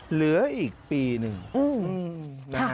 เหลืออีกปีหนึ่ง